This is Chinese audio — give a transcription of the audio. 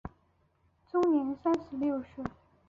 终年三十六岁。